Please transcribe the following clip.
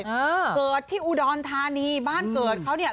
เกิดที่อุดรธานีบ้านเกิดเขาเนี่ย